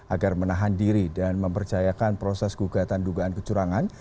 agar menahan diri dan mempercayakan proses gugatan dugaan kecurangan